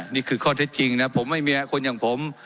นี่คือข้อเท็จจริงนะผมไม่มีคนอย่างผม